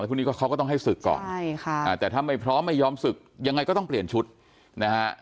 พวกนี้เขาก็ต้องให้ศึกก่อนใช่ค่ะแต่ถ้าไม่พร้อมไม่ยอมศึกยังไงก็ต้องเปลี่ยนชุดนะฮะ